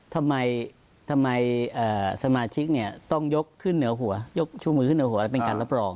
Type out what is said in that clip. ทำไมสมาชิกต้องยกชุมมือขึ้นเหนือหัวเป็นการรับรอง